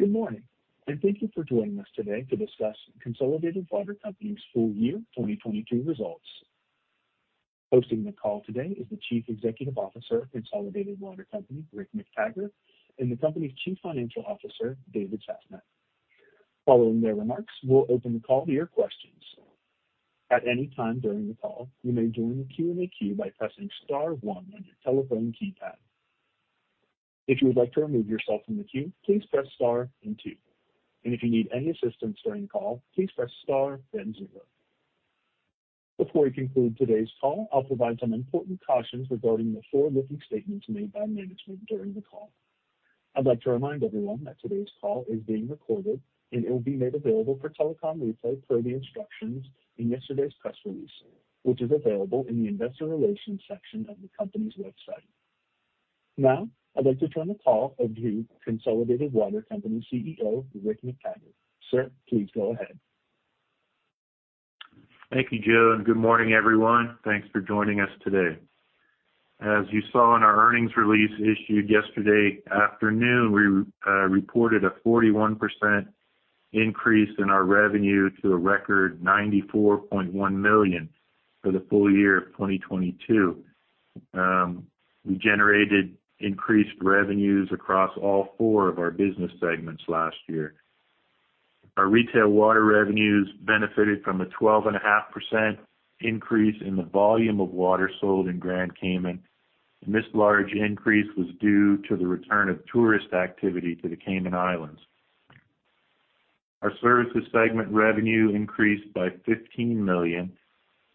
Good morning, thank you for joining us today to discuss Consolidated Water Company's full year 2022 results. Hosting the call today is the Chief Executive Officer of Consolidated Water Company, Rick McTaggart, and the company's Chief Financial Officer, David Sasnett. Following their remarks, we'll open the call to your questions. At any time during the call, you may join the Q&A queue by pressing star one on your telephone keypad. If you would like to remove yourself from the queue, please press star and two. If you need any assistance during the call, please press star then zero. Before we conclude today's call, I'll provide some important cautions regarding the forward-looking statements made by management during the call. I'd like to remind everyone that today's call is being recorded. It will be made available for telecom replay per the instructions in yesterday's press release, which is available in the investor relations section of the company's website. Now, I'd like to turn the call over to Consolidated Water Company CEO, Rick McTaggart. Sir, please go ahead. Thank you, Joe. Good morning, everyone. Thanks for joining us today. As you saw in our earnings release issued yesterday afternoon, we reported a 41% increase in our revenue to a record $94.1 million for the full year of 2022. We generated increased revenues across all four of our business segments last year. Our retail water revenues benefited from a 12.5% increase in the volume of water sold in Grand Cayman. This large increase was due to the return of tourist activity to the Cayman Islands. Our services segment revenue increased by $15 million,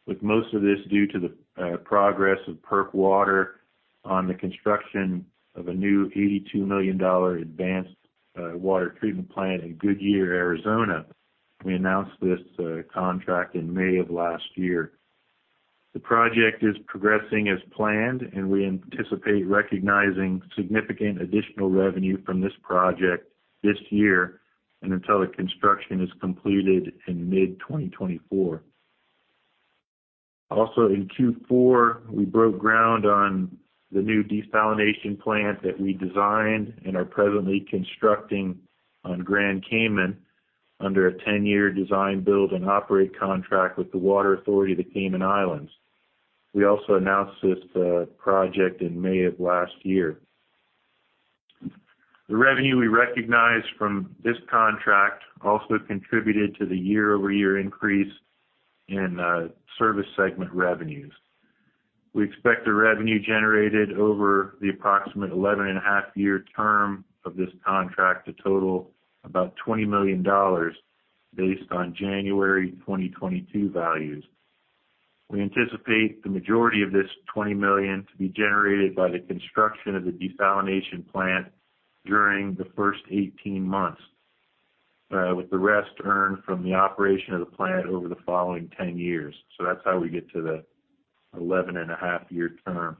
with most of this due to the progress of PERC Water on the construction of a new $82 million advanced water treatment plant in Goodyear, Arizona. We announced this contract in May of last year. The project is progressing as planned. We anticipate recognizing significant additional revenue from this project this year and until the construction is completed in mid-2024. In Q4, we broke ground on the new desalination plant that we designed and are presently constructing on Grand Cayman under a 10-year design, build, and operate contract with the Water Authority-Cayman. We announced this project in May of last year. The revenue we recognized from this contract also contributed to the year-over-year increase in service segment revenues. We expect the revenue generated over the approximate 11-and-a-half-year term of this contract to total about $20 million based on January 2022 values. We anticipate the majority of this $20 million to be generated by the construction of the desalination plant during the first 18 months, with the rest earned from the operation of the plant over the following 10 years. That's how we get to the 11-and-a-half-year term.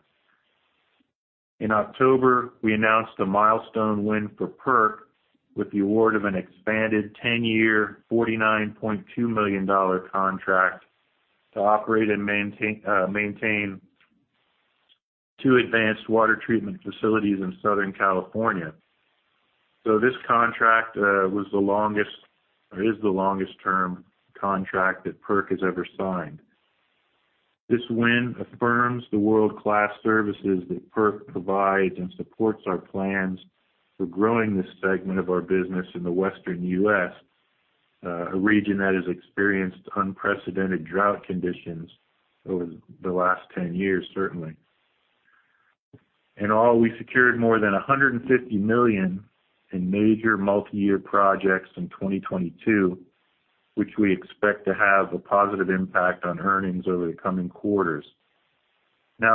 In October, we announced a milestone win for PERC with the award of an expanded 10-year $49.2 million contract to operate and maintain two advanced water treatment facilities in Southern California. This contract was the longest or is the longest-term contract that PERC has ever signed. This win affirms the world-class services that PERC provides and supports our plans for growing this segment of our business in the Western U.S., a region that has experienced unprecedented drought conditions over the last 10 years, certainly. In all, we secured more than $150 million in major multi-year projects in 2022, which we expect to have a positive impact on earnings over the coming quarters.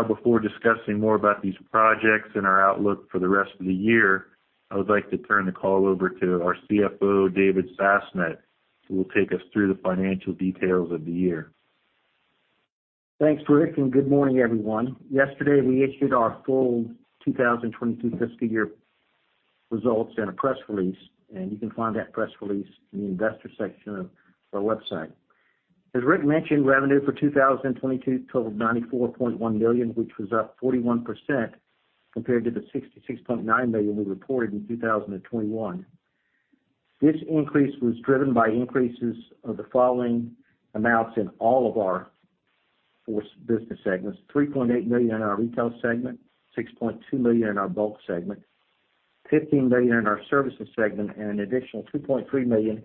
Before discussing more about these projects and our outlook for the rest of the year, I would like to turn the call over to our CFO, David Sasnett, who will take us through the financial details of the year. Thanks, Rick. Good morning, everyone. Yesterday, we issued our full 2022 fiscal year results in a press release. You can find that press release in the investor section of our website. As Rick mentioned, revenue for 2022 totaled $94.1 million, which was up 41% compared to the $66.9 million we reported in 2021. This increase was driven by increases of the following amounts in all of our four business segments. $3.8 million in our retail segment, $6.2 million in our bulk segment, $15 million in our services segment, an additional $2.3 million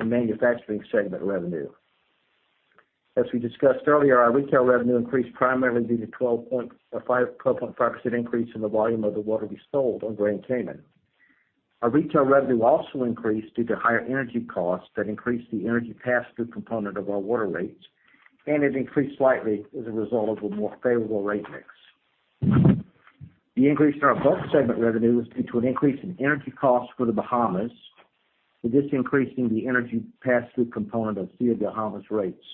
in manufacturing segment revenue. As we discussed earlier, our retail revenue increased primarily due to 12.5% increase in the volume of the water we sold on Grand Cayman. Our retail revenue also increased due to higher energy costs that increased the energy pass-through component of our water rates, and it increased slightly as a result of a more favorable rate mix. The increase in our bulk segment revenue was due to an increase in energy costs for The Bahamas, with this increase in the energy pass-through component of CW-Bahamas rates.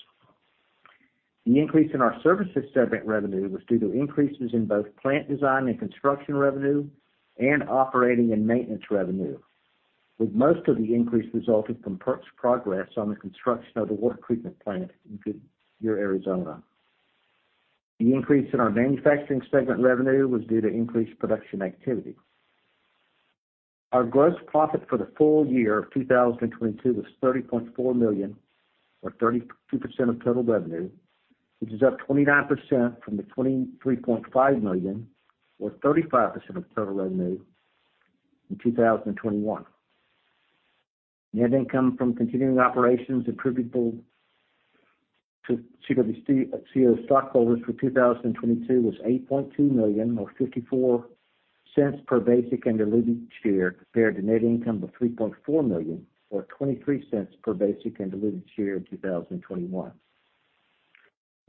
The increase in our services segment revenue was due to increases in both plant design and construction revenue and operating and maintenance revenue, with most of the increase resulting from PERC's progress on the construction of the water treatment plant in Goodyear, Arizona. The increase in our manufacturing segment revenue was due to increased production activity. Our gross profit for the full year of 2022 was $30.4 million, or 32% of total revenue, which is up 29% from the $23.5 million, or 35% of total revenue in 2021. Net income from continuing operations attributable to CWCO stockholders for 2022 was $8.2 million or $0.54 per basic and diluted share compared to net income of $3.4 million or $0.23 per basic and diluted share in 2021.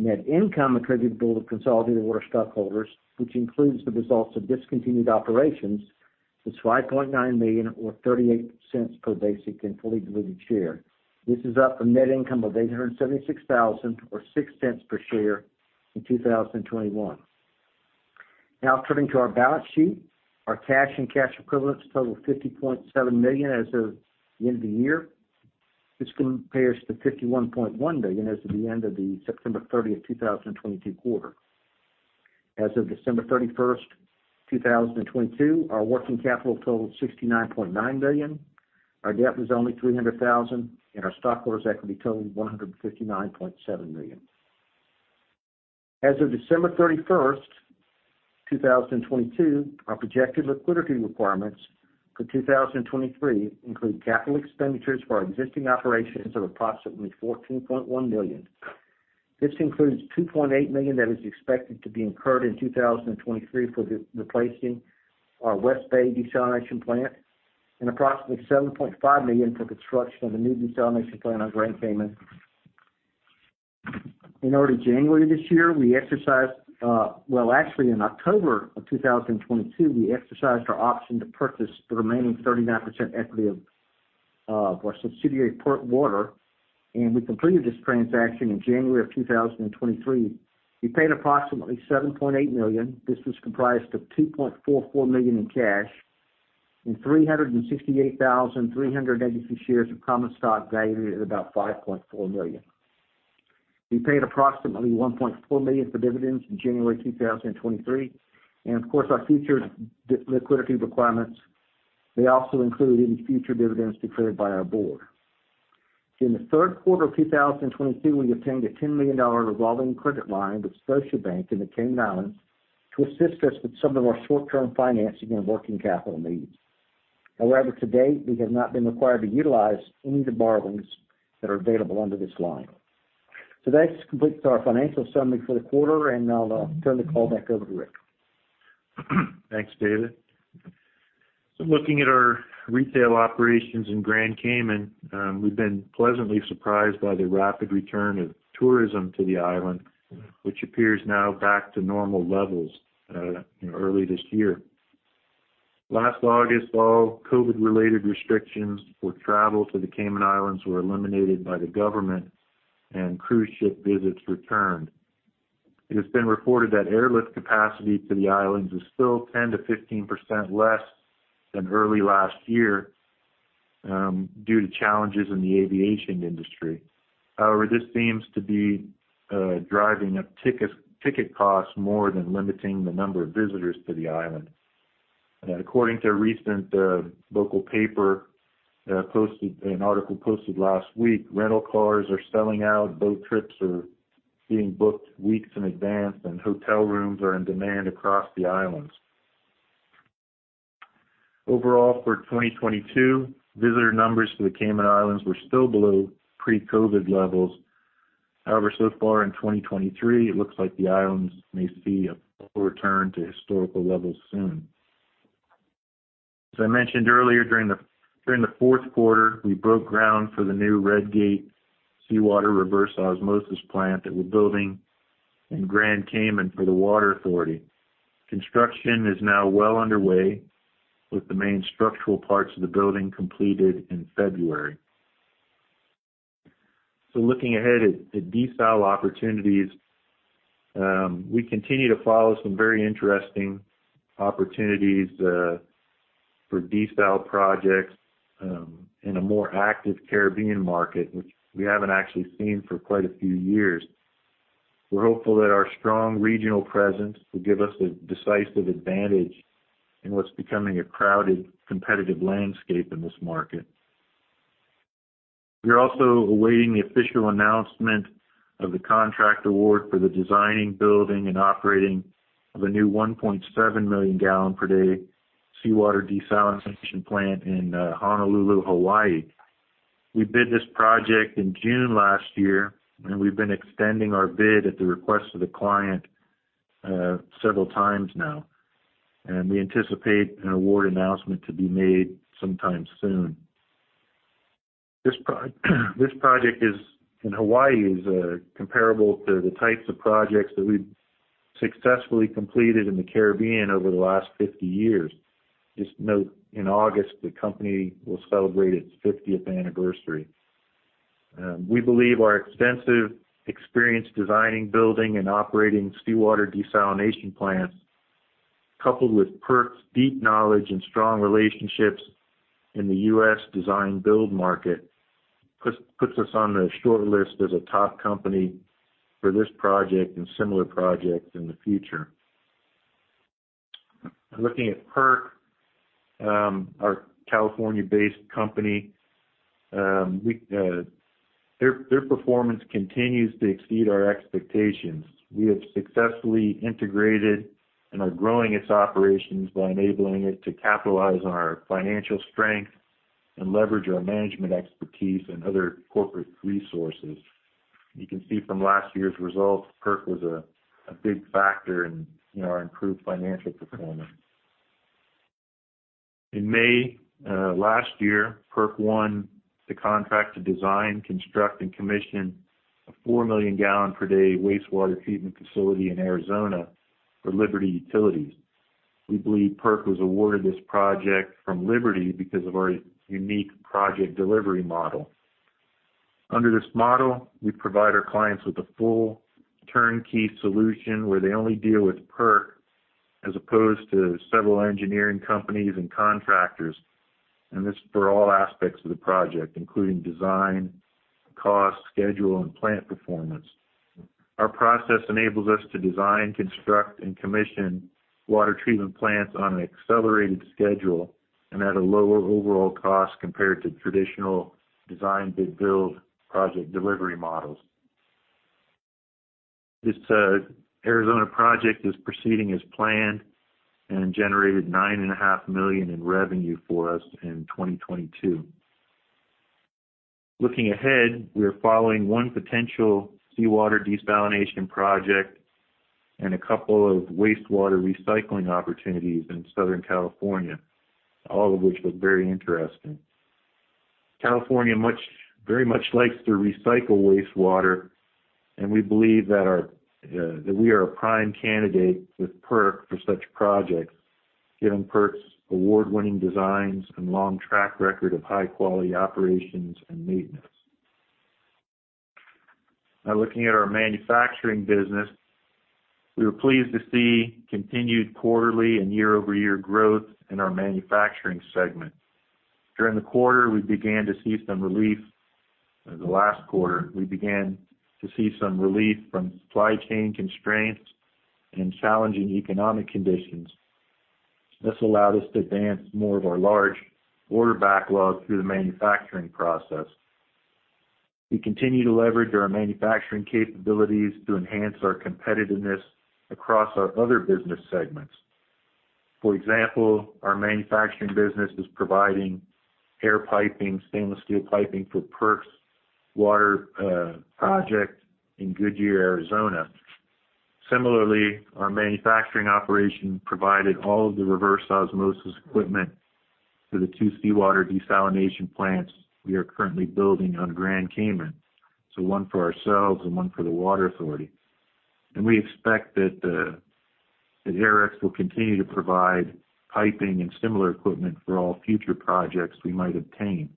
Net income attributable to Consolidated Water stockholders, which includes the results of discontinued operations, was $5.9 million or $0.38 per basic and fully diluted share. This is up from net income of $876,000 or $0.06 per share in 2021. Turning to our balance sheet. Our cash and cash equivalents total $50.7 million as of the end of the year. This compares to $51.1 million as of the end of the September 30, 2022, quarter. As of December 31, 2022, our working capital totaled $69.9 million. Our debt was only $300,000, and our stockholders' equity totaled $159.7 million. As of December 31, 2022, our projected liquidity requirements for 2023 include capital expenditures for our existing operations of approximately $14.1 million. This includes $2.8 million that is expected to be incurred in 2023 for re-replacing our West Bay desalination plant and approximately $7.5 million for construction of a new desalination plant on Grand Cayman. In early January this year, we exercised, well, actually, in October 2022, we exercised our option to purchase the remaining 39% equity of our subsidiary, PERC Water, and we completed this transaction in January 2023. We paid approximately $7.8 million. This was comprised of $2.44 million in cash and 368,386 shares of common stock valued at about $5.4 million. We paid approximately $1.4 million for dividends in January 2023, and of course, our future liquidity requirements, they also include any future dividends declared by our board. In the Q3 of 2022, we obtained a $10 million revolving credit line with Scotiabank in the Cayman Islands to assist us with some of our short-term financing and working capital needs. To date, we have not been required to utilize any of the borrowings that are available under this line. That completes our financial summary for the quarter, and I'll turn the call back over to Rick. Thanks, David. Looking at our retail operations in Grand Cayman, we've been pleasantly surprised by the rapid return of tourism to the island, which appears now back to normal levels early this year. Last August, all COVID-related restrictions for travel to the Cayman Islands were eliminated by the government, and cruise ship visits returned. It has been reported that airlift capacity to the islands is still 10 to 15% less than early last year due to challenges in the aviation industry. However, this seems to be driving up ticket costs more than limiting the number of visitors to the island. According to a recent local paper, an article posted last week, rental cars are selling out, boat trips are being booked weeks in advance, and hotel rooms are in demand across the islands. Overall, for 2022, visitor numbers to the Cayman Islands were still below pre-COVID levels. So far in 2023, it looks like the islands may see a full return to historical levels soon. As I mentioned earlier, during the Q4, we broke ground for the new Red Gate Seawater Reverse Osmosis plant that we're building in Grand Cayman for the Water Authority-Cayman. Construction is now well underway, with the main structural parts of the building completed in February. Looking ahead at desal opportunities, we continue to follow some very interesting opportunities for desal projects in a more active Caribbean market, which we haven't actually seen for quite a few years. We're hopeful that our strong regional presence will give us a decisive advantage in what's becoming a crowded, competitive landscape in this market. We're also awaiting the official announcement of the contract award for the designing, building, and operating of a new 1.7 million gallon per day seawater desalination plant in Honolulu, Hawaii. We bid this project in June last year, and we've been extending our bid at the request of the client several times now. We anticipate an award announcement to be made sometime soon. This project in Hawaii is comparable to the types of projects that we've successfully completed in the Caribbean over the last 50 years. Just note, in August, the company will celebrate its 50th anniversary. We believe our extensive experience designing, building, and operating seawater desalination plants. Coupled with PERC's deep knowledge and strong relationships in the US design-build market, puts us on the shortlist as a top company for this project and similar projects in the future. Looking at PERC, our California-based company, their performance continues to exceed our expectations. We have successfully integrated and are growing its operations by enabling it to capitalize on our financial strength and leverage our management expertise and other corporate resources. You can see from last year's results, PERC was a big factor in our improved financial performance. In May, last year, PERC won the contract to design, construct, and commission a 4 million gallon per day wastewater treatment facility in Arizona for Liberty Utilities. We believe PERC was awarded this project from Liberty because of our unique project delivery model. Under this model, we provide our clients with a full turnkey solution where they only deal with PERC as opposed to several engineering companies and contractors, and this is for all aspects of the project, including design, cost, schedule, and plant performance. Our process enables us to design, construct, and commission water treatment plants on an accelerated schedule and at a lower overall cost compared to traditional design-bid-build project delivery models. This Arizona project is proceeding as planned and generated $nine and a half million in revenue for us in 2022. Looking ahead, we are following one potential seawater desalination project and a couple of wastewater recycling opportunities in Southern California, all of which look very interesting. California very much likes to recycle wastewater, and we believe that our that we are a prime candidate with PERC for such projects, given PERC's award-winning designs and long track record of high-quality operations and maintenance. Looking at our manufacturing business, we were pleased to see continued quarterly and year-over-year growth in our manufacturing segment. During the quarter, we began to see some relief from supply chain constraints and challenging economic conditions. This allowed us to advance more of our large order backlog through the manufacturing process. We continue to leverage our manufacturing capabilities to enhance our competitiveness across our other business segments. For example, our manufacturing business is providing air piping, stainless steel piping for PERC's water project in Goodyear, Arizona. Similarly, our manufacturing operation provided all of the reverse osmosis equipment for the two seawater desalination plants we are currently building on Grand Cayman, so one for ourselves and one for the Water Authority-Cayman. We expect that Aerex will continue to provide piping and similar equipment for all future projects we might obtain.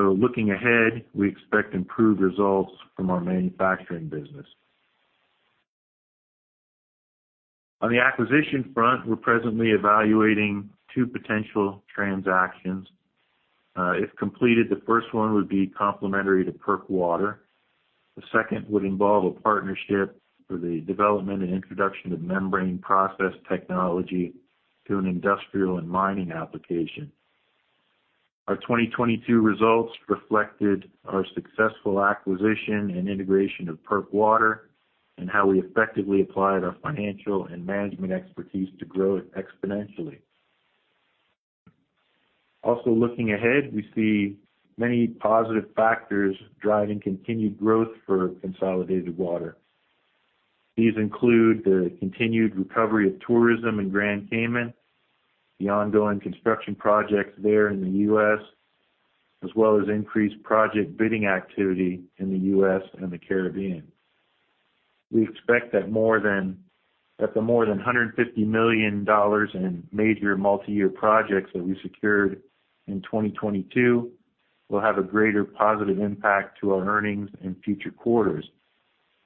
Looking ahead, we expect improved results from our manufacturing business. On the acquisition front, we're presently evaluating two potential transactions. If completed, the first one would be complementary to PERC Water. The second would involve a partnership for the development and introduction of membrane process technology to an industrial and mining application. Our 2022 results reflected our successful acquisition and integration of PERC Water and how we effectively applied our financial and management expertise to grow it exponentially. Looking ahead, we see many positive factors driving continued growth for Consolidated Water. These include the continued recovery of tourism in Grand Cayman, the ongoing construction projects there in the U.S., as well as increased project bidding activity in the U.S. and the Caribbean. We expect that the more than $150 million in major multiyear projects that we secured in 2022 will have a greater positive impact to our earnings in future quarters,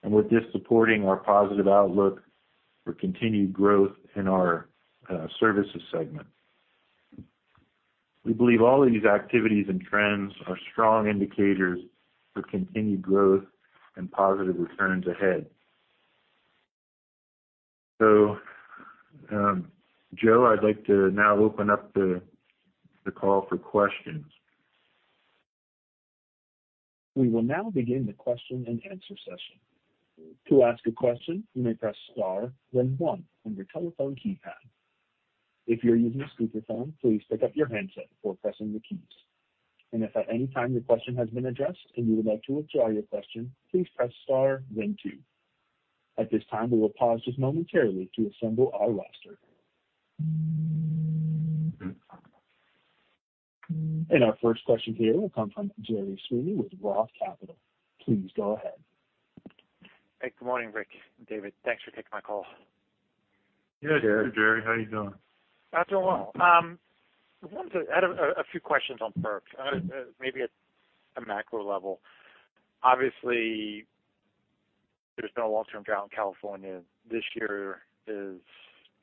and with this supporting our positive outlook for continued growth in our services segment. We believe all of these activities and trends are strong indicators for continued growth and positive returns ahead. Joe, I'd like to now open up the call for questions. We will now begin the question-and-answer session. To ask a question, you may press star then one on your telephone keypad. If you're using a speakerphone, please pick up your handset before pressing the keys. If at any time your question has been addressed and you would like to withdraw your question, please press star then two. At this time, we will pause just momentarily to assemble our roster. Our first question here will come from Gerry Sweeney with Roth Capital. Please go ahead. Hey, good morning, Rick and David. Thanks for taking my call. Yeah. Good, Gerry. How are you doing? I'm doing well. I have a few questions on PERC, maybe at a macro level. Obviously, there's been a long-term drought in California. This year has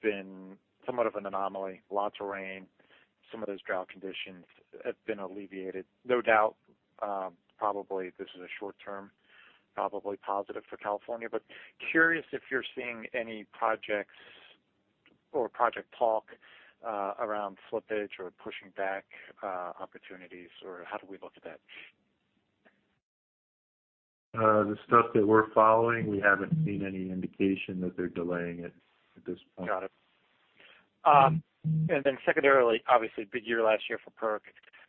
been somewhat of an anomaly. Lots of rain. Some of those drought conditions have been alleviated. No doubt, probably this is a short-term, probably positive for California, but curious if you're seeing any projects or project talk, around slippage or pushing back, opportunities or how do we look at that? The stuff that we're following, we haven't seen any indication that they're delaying it at this point. Got it. Secondarily, obviously, big year last year for PERC.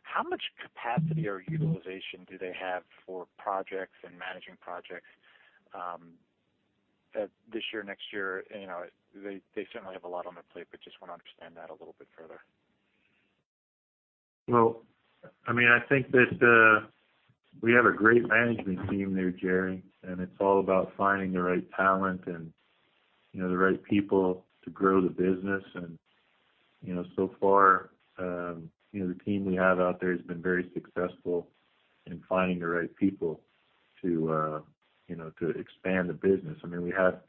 How much capacity or utilization do they have for projects and managing projects, this year, next year? You know, they certainly have a lot on their plate, but just wanna understand that a little bit further. Well, I mean, I think that we have a great management team there, Jerry, and it's all about finding the right talent and, you know, the right people to grow the business. You know, so far, you know, the team we have out there has been very successful in finding the right people to, you know, to expand the business. I mean, we have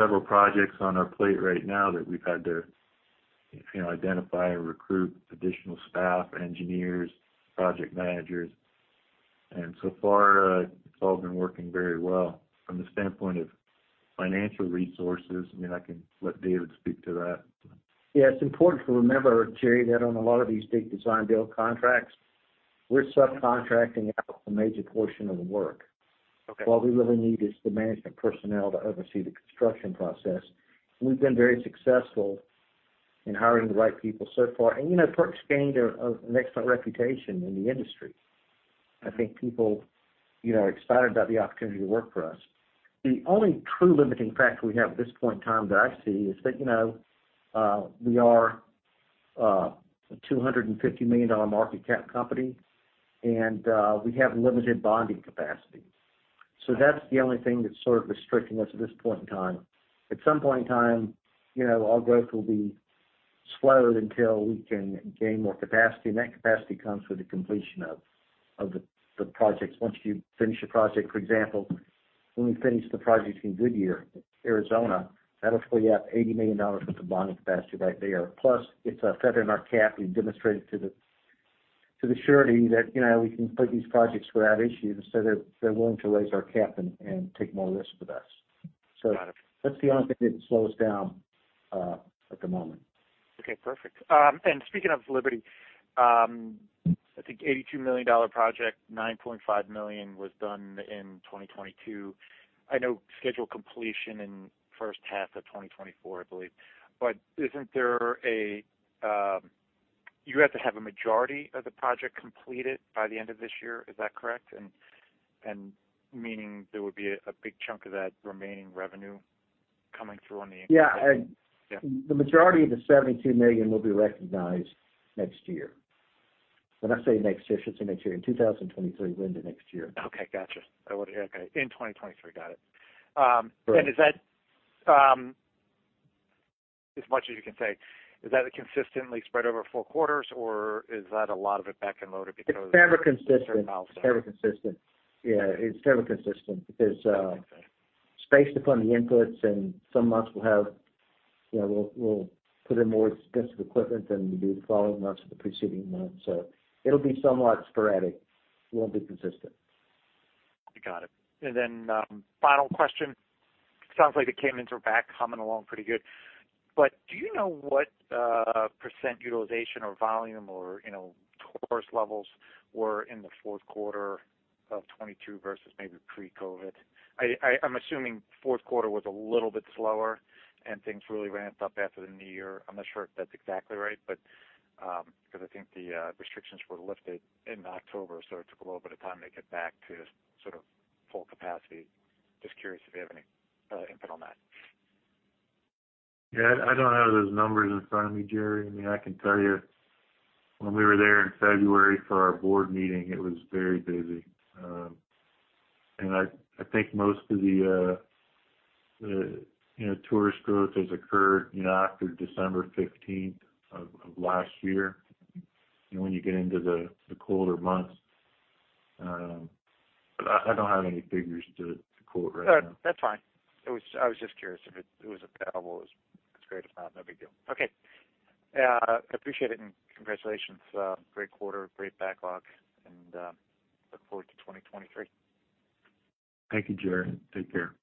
several projects on our plate right now that we've had to, you know, identify and recruit additional staff, engineers, project managers. So far, it's all been working very well. From the standpoint of financial resources, I mean, I can let David speak to that. Yeah, it's important to remember, Gerry, that on a lot of these big design build contracts, we're subcontracting out a major portion of the work. Okay. What we really need is the management personnel to oversee the construction process. We've been very successful in hiring the right people so far. You know, PERC's gained an excellent reputation in the industry. I think people, you know, are excited about the opportunity to work for us. The only true limiting factor we have at this point in time that I see is that, you know, we are a $250 million market cap company, and we have limited bonding capacity. That's the only thing that's sort of restricting us at this point in time. At some point in time, you know, our growth will be slowed until we can gain more capacity, and that capacity comes with the completion of the projects. Once you finish a project, for example, when we finish the project in Goodyear, Arizona, that'll free up $80 million worth of bonding capacity right there. It's a feather in our cap. We've demonstrated to the surety that, you know, we can complete these projects without issues, so they're willing to raise our cap and take more risks with us. Got it. That's the only thing that slows down at the moment. Okay, perfect. Speaking of Liberty, I think a $82 million project, $9.5 million was done in 2022. I know scheduled completion in H1 of 2024, I believe. Isn't there a, you have to have a majority of the project completed by the end of this year, is that correct? Meaning there would be a big chunk of that remaining revenue coming through on the. Yeah. Yeah. The majority of the $72 million will be recognized next year. When I say next year, I should say next year. In 2023, next year. Okay, gotcha. I wanna hear. Okay, in 2023. Got it. Right. Is that, as much as you can say, is that consistently spread over four quarters, or is that a lot of it back and loaded because... It's fairly consistent. Okay. Fairly consistent. Yeah, it's fairly consistent because, it's based upon the inputs and some months we'll have, you know, we'll put in more expensive equipment than we do the following months or the preceding months. It'll be somewhat sporadic. It won't be consistent. Got it. Final question. Sounds like the Caymans are back, coming along pretty good. Do you know what % utilization or volume or, you know, course levels were in the Q4 of 2022 versus maybe pre-COVID? I'm assuming Q4 was a little bit slower and things really ramped up after the new year. I'm not sure if that's exactly right but I think the restrictions were lifted in October, so it took a little bit of time to get back to sort of full capacity. Just curious if you have any input on that. Yeah, I don't have those numbers in front of me, Gerry. I mean, I can tell you when we were there in February for our board meeting, it was very busy. I think most of the, you know, tourist growth has occurred, you know, after December fifteenth of last year, you know, when you get into the colder months. I don't have any figures to quote right now. All right. That's fine. I was just curious if it was available. It's great. It's not no big deal. Okay. Appreciate it, and congratulations. Great quarter, great backlog, and look forward to 2023. Thank you, Gerry. Take care.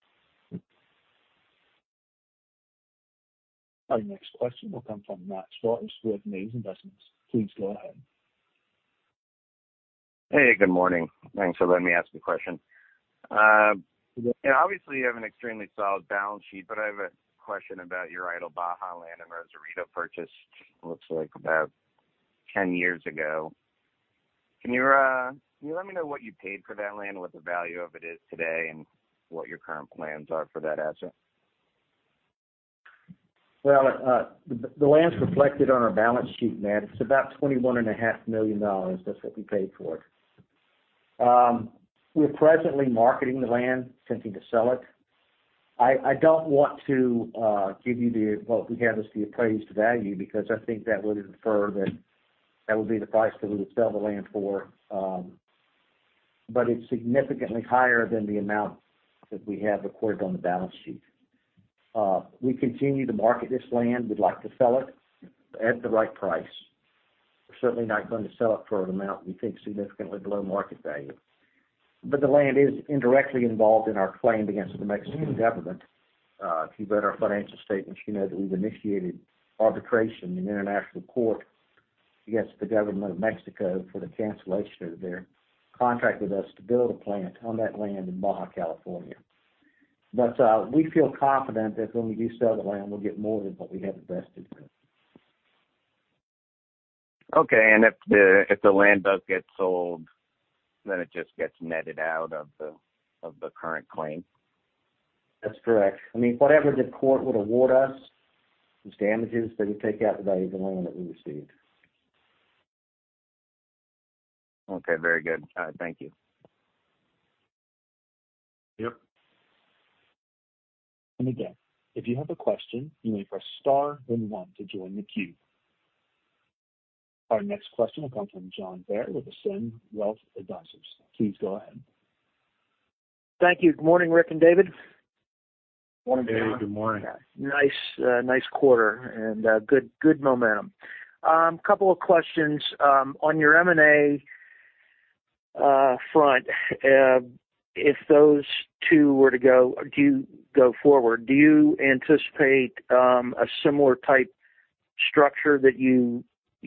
Our next question will come from Matt Schwartz with MAZE Investments. Please go ahead. Hey, good morning. Thanks for letting me ask a question. Obviously, you have an extremely solid balance sheet, but I have a question about your idle Baja land and Rosarito purchase, looks like about 10 years ago. Can you let me know what you paid for that land, what the value of it is today, and what your current plans are for that asset? Well, the land's reflected on our balance sheet, Matt. It's about twenty-one and a half million dollars. That's what we paid for it. We're presently marketing the land, attempting to sell it. I don't want to give you what we have as the appraised value because I think that would infer that that would be the price that we would sell the land for. It's significantly higher than the amount that we have recorded on the balance sheet. We continue to market this land. We'd like to sell it at the right price. We're certainly not going to sell it for an amount we think is significantly below market value. The land is indirectly involved in our claim against the Mexican government. If you read our financial statements, you know that we've initiated arbitration in international court against the government of Mexico for the cancellation of their contract with us to build a plant on that land in Baja, California. We feel confident that when we do sell the land, we'll get more than what we have invested in it. Okay. If the land does get sold, then it just gets netted out of the current claim? That's correct. I mean, whatever the court would award us as damages, they would take out the value of the land that we received. Okay. Very good. Thank you. Yep. Again, if you have a question, you may press star then one to join the queue. Our next question will come from John Bair with Ascend Wealth Advisors. Please go ahead. Thank you. Good morning, Rick and David. Morning, John. Good morning. Nice, nice quarter and good momentum. Couple of questions. On your M&A front, if those two were to go, do go forward, do you anticipate a similar type of structure that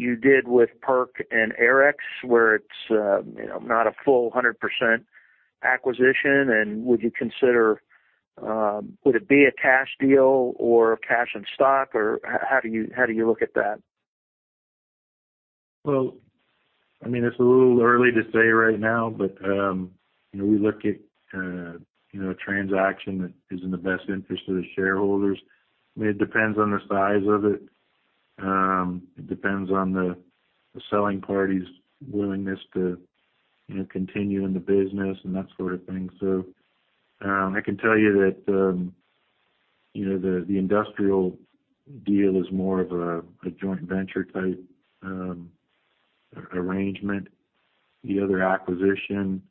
you did with PERC and Aerex, where it's, you know, not a full 100% acquisition? Would it be a cash deal or cash and stock, or how do you look at that? Well, I mean, it's a little early to say right now, but we look at a transaction that is in the best interest of the shareholders. I mean, it depends on the size of it. It depends on the selling party's willingness to continue in the business and that sort of thing. I can tell you that the industrial deal is more of a joint venture type arrangement. The other acquisition.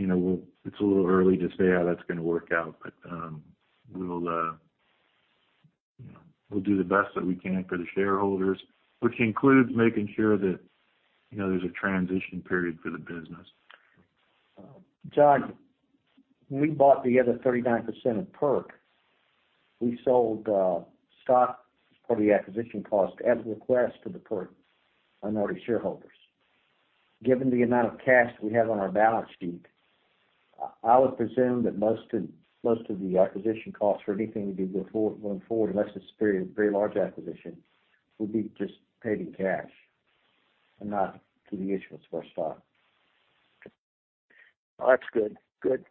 It's a little early to say how that's gonna work out, but we'll do the best that we can for the shareholders, which includes making sure that there's a transition period for the business. John, when we bought the other 39% of PERC, we sold stock for the acquisition cost at the request of the PERC minority shareholders. Given the amount of cash we have on our balance sheet, I would presume that most of the acquisition costs for anything we do going forward, unless it's very, very large acquisition, will be just paid in cash and not through the issuance of our stock. Oh, that's good. Good.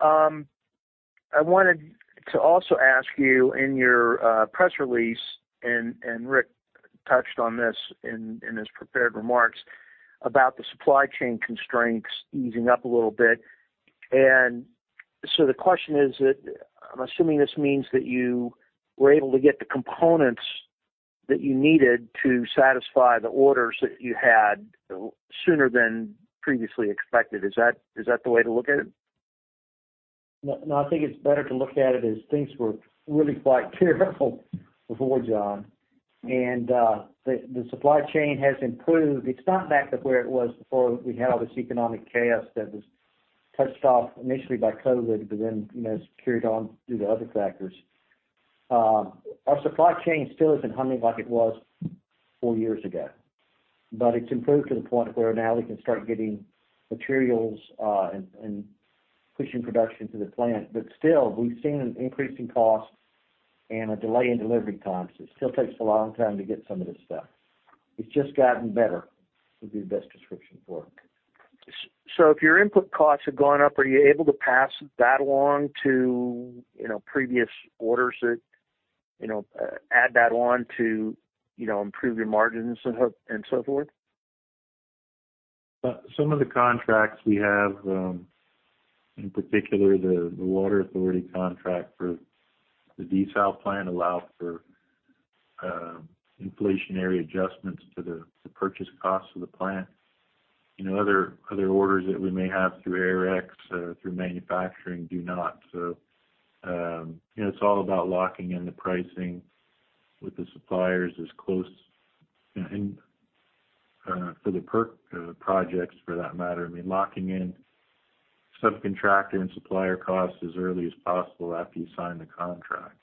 I wanted to also ask you in your press release; Rick touched on this in his prepared remarks about the supply chain constraints easing up a little bit. The question is that I'm assuming this means that you were able to get the components that you needed to satisfy the orders that you had sooner than previously expected. Is that the way to look at it? No, I think it's better to look at it as things were really quite terrible before, John. The supply chain has improved. It's not back to where it was before we had all this economic chaos that was touched off initially by COVID, you know, carried on due to other factors. Our supply chain still isn't humming like it was four years ago, but it's improved to the point where now we can start getting materials and pushing production to the plant. Still, we've seen an increase in cost and a delay in delivery times. It still takes a long time to get some of this stuff. It's just gotten better, would be the best description for it. If your input costs have gone up, are you able to pass that along to, you know, previous orders that, you know, add that on to, you know, improve your margins and so forth? Some of the contracts we have, in particular the Water Authority contract for the desal plant allow for inflationary adjustments to the purchase cost of the plant. You know, other orders that we may have through Aerex, through manufacturing do not. You know, it's all about locking in the pricing with the suppliers as close and, for the PERC projects for that matter, I mean, locking in subcontractor and supplier costs as early as possible after you sign the contract.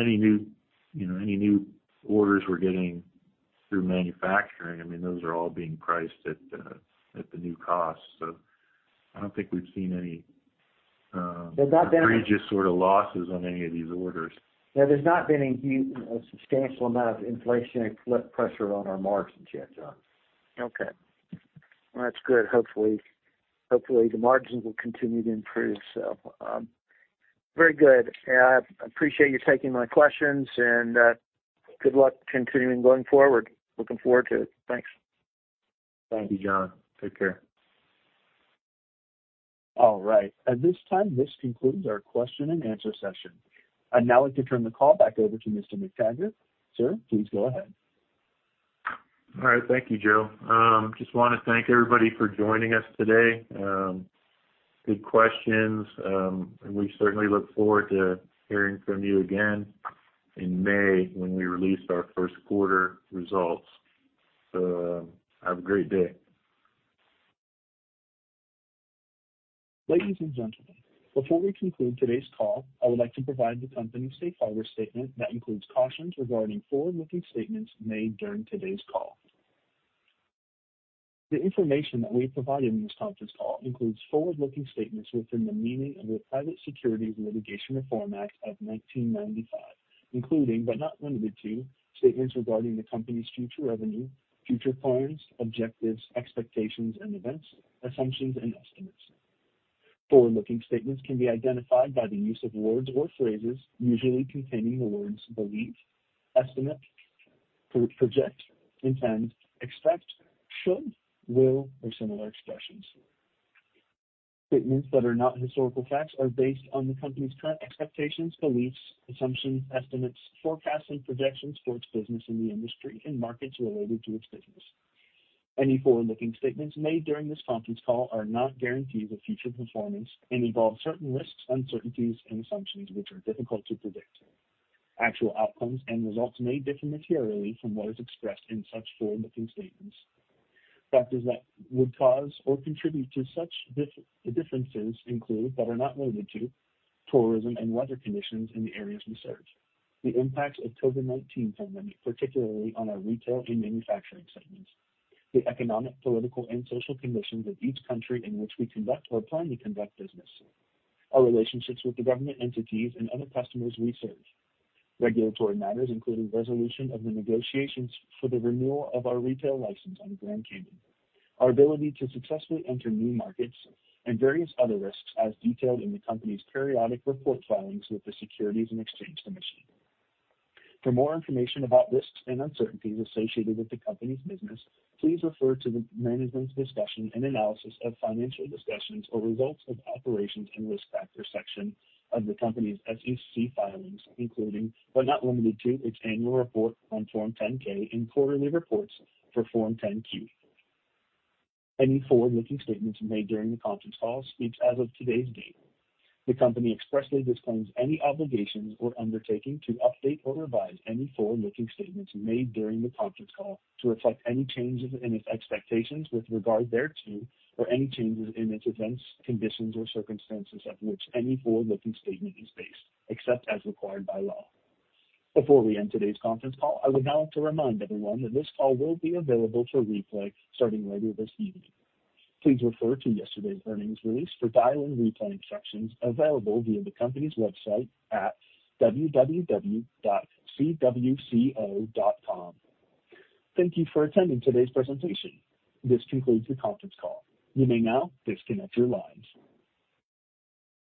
Any new, you know, any new orders we're getting through manufacturing, I mean, those are all being priced at the new cost. I don't think we've seen any. There's not been. outrageous sorta losses on any of these orders. Yeah. There's not been a substantial amount of inflationary pressure on our margins yet, John. Okay. Well, that's good. Hopefully, the margins will continue to improve. Very good. I appreciate you taking my questions, and good luck continuing going forward. Looking forward to it. Thanks. Thank you, John. Take care. All right. At this time, this concludes our question-and-answer session. I'd now like to turn the call back over to Mr. McTaggart. Sir, please go ahead. All right. Thank you, Joe. Just wanna thank everybody for joining us today. Good questions. We certainly look forward to hearing from you again in May when we release our Q1 results. Have a great day. Ladies and gentlemen, before we conclude today's call, I would like to provide the company's safe harbor statement that includes cautions regarding forward-looking statements made during today's call. The information that we provide in this conference call includes forward-looking statements within the meaning of the Private Securities Litigation Reform Act of 1995, including, but not limited to, statements regarding the company's future revenue, future plans, objectives, expectations and events, assumptions and estimates. Forward-looking statements can be identified by the use of words or phrases usually containing the words believe, estimate, project, intend, expect, should, will, or similar expressions. Statements that are not historical facts are based on the company's current expectations, beliefs, assumptions, estimates, forecasts and projections for its business in the industry and markets related to its business. Any forward-looking statements made during this conference call are not guarantees of future performance and involve certain risks, uncertainties and assumptions which are difficult to predict. Actual outcomes and results may differ materially from what is expressed in such forward-looking statements. Factors that would cause or contribute to such differences include, but are not limited to, tourism and weather conditions in the areas we serve. The impact of COVID-19 pandemic, particularly on our retail and manufacturing segments. The economic, political and social conditions of each country in which we conduct or plan to conduct business. Our relationships with the government entities and other customers we serve. Regulatory matters, including resolution of the negotiations for the renewal of our retail license on Grand Cayman. Our ability to successfully enter new markets and various other risks as detailed in the company's periodic report filings with the Securities and Exchange Commission. For more information about risks and uncertainties associated with the company's business, please refer to the management's discussion and analysis of financial discussions or results of operations and risk factor section of the company's SEC filings, including, but not limited to, its annual report on Form 10-K and quarterly reports for Form 10-Q. Any forward-looking statements made during the conference call speaks as of today's date. The company expressly disclaims any obligations or undertaking to update or revise any forward-looking statements made during the conference call to reflect any changes in its expectations with regard thereto or any changes in its events, conditions or circumstances of which any forward-looking statement is based, except as required by law. Before we end today's conference call, I would now like to remind everyone that this call will be available for replay starting later this evening. Please refer to yesterday's earnings release for dial-in replay instructions available via the company's website at www.cwco.com. Thank you for attending today's presentation. This concludes the conference call. You may now disconnect your lines.